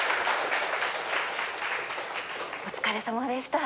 お疲れさまでした。